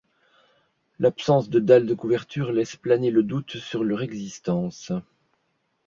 L'absence de dalles de couverture laisse planer le doute sur leur existence.